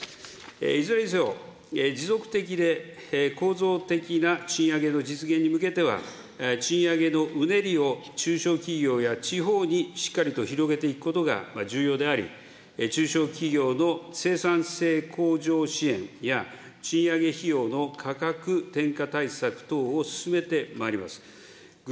いずれにせよ持続的で構造的な賃上げの実現に向けては、賃上げのうねりを中小企業や地方にしっかりと広げていくことが重要であり、中小企業の生産性向上支援や、賃上げ費用の価格転嫁対策等を進めてまいります。